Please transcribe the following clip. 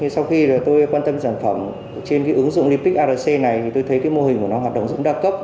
sau khi tôi quan tâm sản phẩm trên ứng dụng limbic arch này thì tôi thấy mô hình của nó hoạt động rất đa cấp